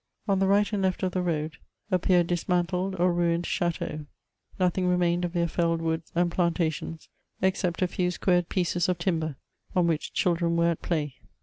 On the right and left of the road appeared dismantled or ruinedchiteaux; nothing remained of their felled woods and plan tations, except a few squared pieces of timber, on which children were at play.